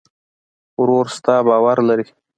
ورور ستا باور لري.